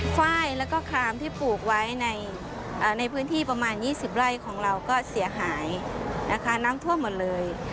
ไฟล์แล้วก็คามที่ปลูกไว้ในพื้นที่ประมาณ๒๐ไร่ของเราก็เสียหายนะคะน้ำท่วมหมดเลย